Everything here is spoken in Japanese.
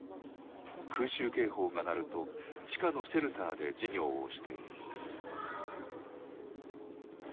空襲警報が鳴ると地下のシェルターで授業をしている。